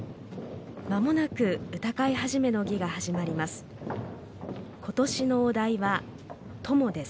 まもなく歌会始の儀が始まります。